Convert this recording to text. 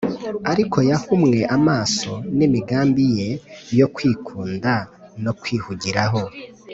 ariko yahumwe amaso n’imigambi ye yo kwikunda no kwihugiraho